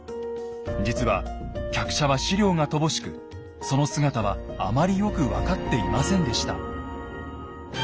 実は客車は史料が乏しくその姿はあまりよく分かっていませんでした。